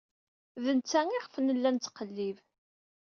D netta iɣef nella nettqellib.